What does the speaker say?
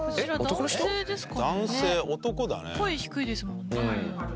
声低いですもんね。